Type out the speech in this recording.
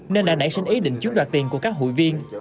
nên đã nảy sinh ý định chiếm đoạt tiền của các hụi viên